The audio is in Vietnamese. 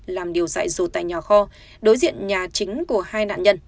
làm điều dại rột tại nhà kho đối diện nhà chính của hai nạn nhân